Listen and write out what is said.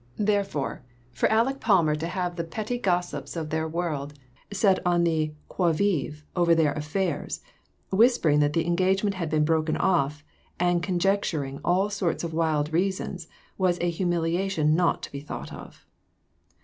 Therefore, for Aleck Palmer to have the petty gossips of their world set on the qui vive over their affairs, whis pering that the engagement had been broken off, and conjecturing all sorts of wild reasons, was a humiliation not to be thought of.